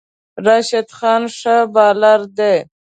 راشد خان ښه بالر دی